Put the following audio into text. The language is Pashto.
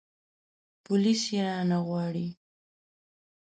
پوليس يې رانه غواړي.